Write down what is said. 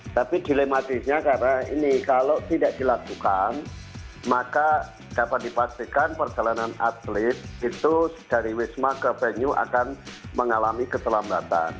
tapi dilematisnya karena ini kalau tidak dilakukan maka dapat dipastikan perjalanan atlet itu dari wisma ke venue akan mengalami keterlambatan